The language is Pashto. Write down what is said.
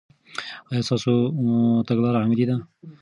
آیا ستاسو تګلاره عملي ده؟